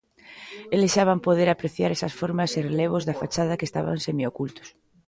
Eles xa van poder apreciar esas formas e relevos da fachada que estaban semiocultos.